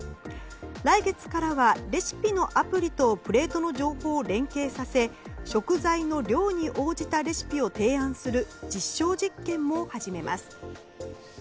来月からはレシピのアプリとプレートの情報を連携させ食材の量に応じたレシピを提案する実証実験も始めます。